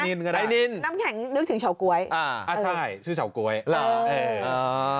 นินค่ะน้ำแข็งนึกถึงเฉาก๊วยอ่ะใช่ชื่อเฉาก๊วยเออ